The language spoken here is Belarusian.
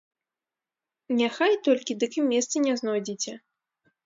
Няхай толькі, дык і месца не знойдзеце!